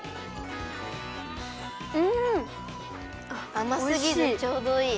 あますぎずちょうどいい。